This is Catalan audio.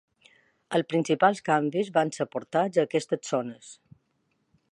Els principals canvis van ser portats a aquestes zones.